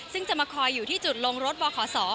ซึ่งจะมาคอยอยู่ที่จุดลงรถบขศ